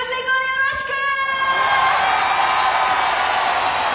よろしく！